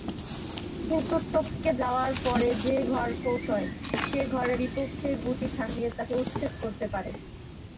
কিন্তু টপকে যাওয়ার পরে যে ঘর পৌঁছয়, সে ঘরে বিপক্ষের গুটি থাকলে তাকে উচ্ছেদ করতে পারে।